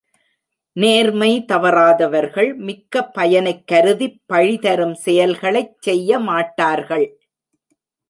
நேர்மை தவறாதவர்கள் மிக்க பயனைக் கருதிப் பழி தரும் செயல்களைச் செய்யமாட்டார்கள்.